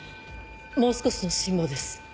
もう少しの辛抱です。